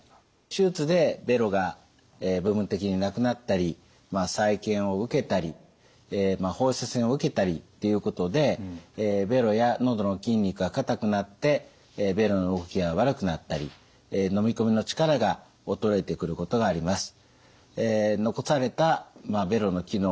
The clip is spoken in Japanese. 手術でべろが部分的になくなったり再建を受けたり放射線を受けたりっていうことでべろや喉の筋肉がかたくなってべろの動きが悪くなったりのみ込みの力が衰えてくることがあります。